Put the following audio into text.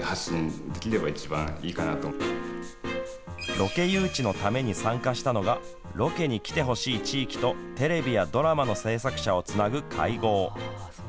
ロケ誘致のために参加したのがロケに来てほしい地域とテレビやドラマの制作者をつなぐ会合。